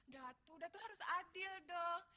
datuk datuk harus adil dong